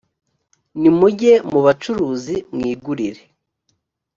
nimujye mu bacuruzi mwigurire